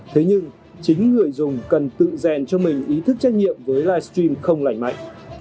thế nhưng chính người dùng cần tự rèn cho mình ý thức trách nhiệm với live stream không lảnh mạnh